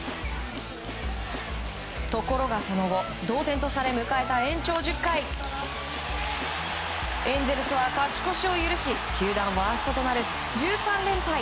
ところが、その後、同点とされ迎えた延長１０回エンゼルスは勝ち越しを許し球団ワーストとなる１３連敗。